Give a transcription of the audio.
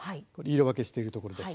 色分けしているところです。